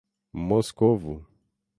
Moscovo